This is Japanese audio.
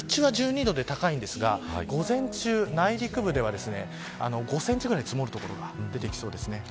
日中は１２度と高いんですが午前中、内陸部では５センチぐらい積もる所が出てきそうです。